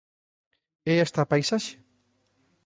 ¿É esta a paisaxe?